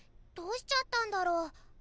どうしちゃったんだろう？